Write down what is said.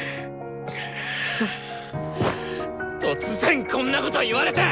突然こんなこと言われて！